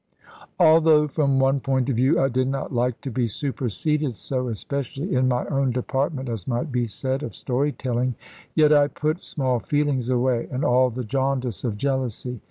Although, from one point of view, I did not like to be superseded so, especially in my own department, as might be said, of story telling, yet I put small feelings away, and all the jaundice of jealousy.